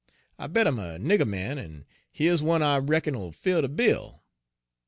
I bet 'im a nigger man, en heah's one I reckon'll fill de bill.